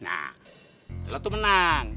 nah lo tuh menang